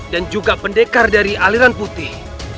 dan juga pendekar dari aliran putih